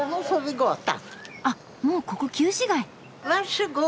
あっもうここ旧市街！